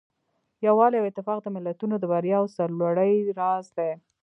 یووالی او اتفاق د ملتونو د بریا او سرلوړۍ راز دی.